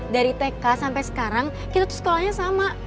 dari tk sampai sekarang kita tuh sekolahnya sama